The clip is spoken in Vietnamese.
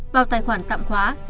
vào tài khoản tạm khóa